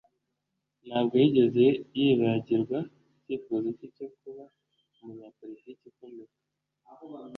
Ntabwo yigeze yibagirwa icyifuzo cye cyo kuba umunyapolitiki ukomeye